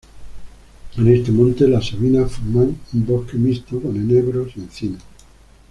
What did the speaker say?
En este monte, las sabinas forman una bosque mixto con enebros y encinas.